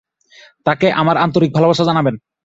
তাঁকে আমার আন্তরিক ভালবাসা জানাবে।